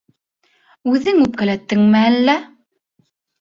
Үҙең үпкәләттеңме әллә?